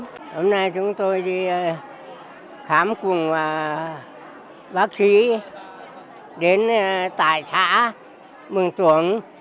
hôm nay chúng tôi đi khám cùng bác khí đến tại xã bường tuấn